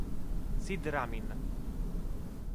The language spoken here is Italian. Sid Ramin